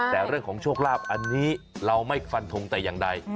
แต่เรื่องของโชคลาภอันนี้เราไม่ฟันทงแต่อย่างใด